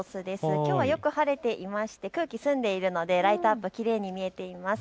きょうはよく晴れていまして空気、澄んでいるのでライトアップ、きれいに見えています。